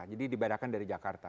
jadi dibedakan dari jakarta